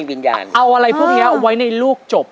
เอาอะไรพวกนี้ไว้ในลูกจบ